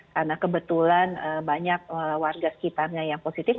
karena kebetulan banyak warga sekitarnya yang positif